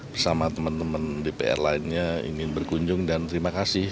bersama teman teman dpr lainnya ingin berkunjung dan terima kasih